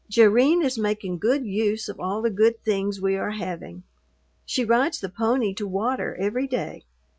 Jerrine is making good use of all the good things we are having. She rides the pony to water every day.